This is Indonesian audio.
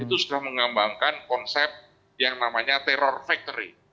itu sudah mengambangkan konsep yang namanya terror factory